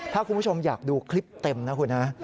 ถ้าคุณผู้ชมอยากดูคลิปเต็มนะคุณฮะ